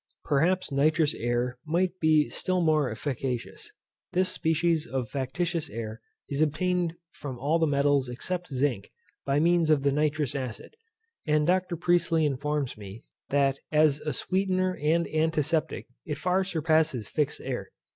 Perhaps NITROUS AIR might be still more efficacious. This species of factitious air is obtained from all the metals except zinc, by means of the nitrous acid; and Dr. Priestley informs me, that as a sweetener and antiseptic it far surpasses fixed air.